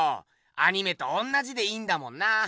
アニメとおんなじでいいんだもんな。